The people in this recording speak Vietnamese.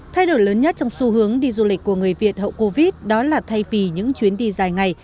thay đổi lớn nhất trong xu hướng đi du lịch của người việt hậu covid đó là thay vì những chuyến đi dài ngày